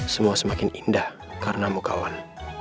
semua semakin indah karena mu kawan